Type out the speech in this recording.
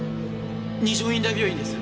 二条院大病院ですよね？